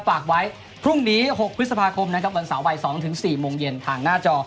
ฝากไว้พรุ่งนี้๖พฤษภาคมนะครับวันเสาร์บ่าย๒๔โมงเย็นทางหน้าจอ